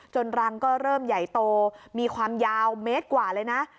รังก็เริ่มใหญ่โตมีความยาวเมตรกว่าเลยนะ